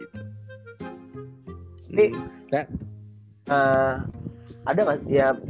jadi ada gak sih ya